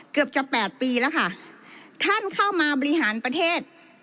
เกือบจะแปดปีแล้วค่ะท่านเข้ามาบริหารประเทศ